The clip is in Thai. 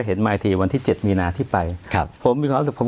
เห็นมาอีกทีวันที่เจ็ดมีนาทีไปครับผมมีขอธรรมผม